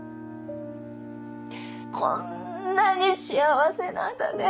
こんなに幸せなんだね。